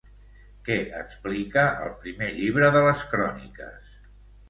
Què explica el Primer llibre de les Cròniques?